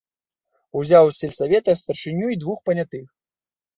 Узяў з сельсавета старшыню й двух панятых.